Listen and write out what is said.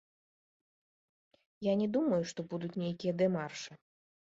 Я не думаю, што будуць нейкія дэмаршы.